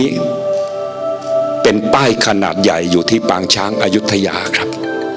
นี้เป็นป้ายขนาดใหญ่อยู่ที่ปางช้างอายุทยาครับ